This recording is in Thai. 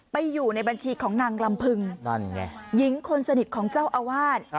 อยู่ในบัญชีของนางลำพึงนั่นไงหญิงคนสนิทของเจ้าอาวาส